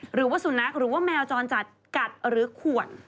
หรือว่าสุนัขหรือว่าแมวจรจัดกัดหรือขวด